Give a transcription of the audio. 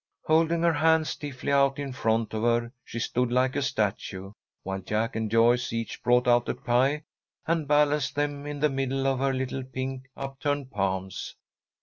Holding her hands stiffly out in front of her, she stood like a statue, while Jack and Joyce each brought out a pie, and balanced them in the middle of her little pink, upturned palms.